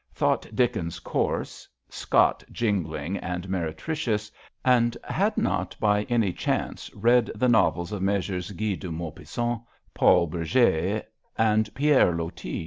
Thought Dickens coarse ; Scott jingling and mere tricious; and had not by any chance read the novels of Messrs. Guy de Maupassant, Paul Bour get and Pierre Loti.